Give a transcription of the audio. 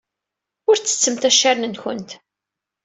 Ur ttettemt accaren-nwent.